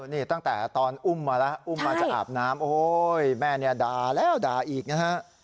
นี่ตั้งแต่ตอนอุ้มมาแล้วอุ้มมาจะอาบน้ำโอ้ยแม่เนี่ยด่าแล้วด่าอีกนะฮะ